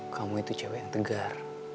kamu itu cewek yang tegar